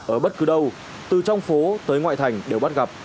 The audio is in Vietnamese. ở bất cứ đâu từ trong phố tới ngoại thành đều bắt gặp